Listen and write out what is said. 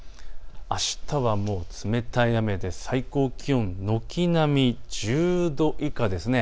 あしたは冷たい雨で最高気温、軒並み１０度以下です。